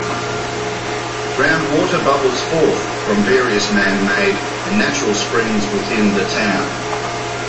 Groundwater bubbles forth from various man-made and natural springs within the town.